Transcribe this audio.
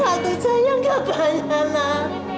waktu sayang gak banyak nek